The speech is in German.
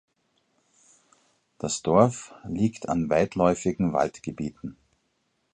Das Dorf liegt an weitläufigen Waldgebieten.